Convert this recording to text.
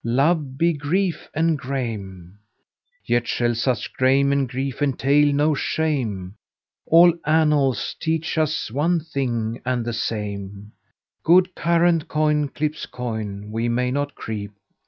Love be grief and grame: Yet shall such grame and grief entail no shame; * All annals teach us one thing and the same Good current coin clips coin we may not crepe!